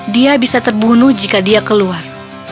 dia bisa terbunuh jika dia keluar